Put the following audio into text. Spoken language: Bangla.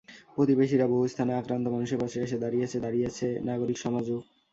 প্রতিবেশীরা বহু স্থানে আক্রান্ত মানুষের পাশে এসে দাঁড়িয়েছে, দাঁড়িয়েছে নাগরিক সমাজও।